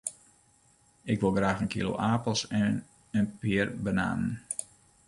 Ik wol graach in kilo apels en in pear bananen.